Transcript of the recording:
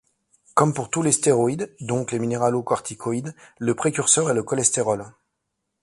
Comme pour tous les stéroïdes, donc les minéralocorticoïdes, le précurseur est le cholestérol.